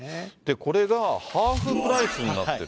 これがハーフプライスになってる。